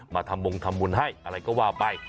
มาทำมงทำบุญให้อะไรก็ว่าไป